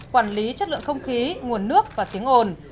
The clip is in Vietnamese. quản lý chất lượng không khí nguồn nước và tiếng ồn